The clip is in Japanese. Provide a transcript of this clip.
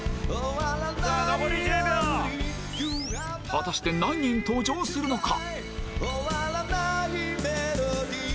果たして何人登場するのか？